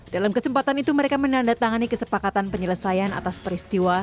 dalam kesempatan itu mereka menandatangani kesepakatan penyelesaian atas peristiwa